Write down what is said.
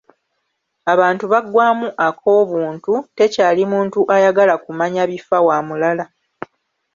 Abantu baggwaamu ak'obuntu, tekyali muntu ayagala kumanya bifa wa mulala.